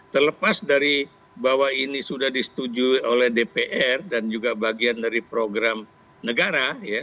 terlepas dari bahwa ini sudah disetujui oleh dpr dan juga bagian dari program negara